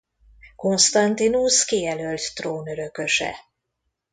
Constantinus kijelölt trónörököse.